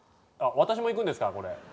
あっ私も行くんですかこれ？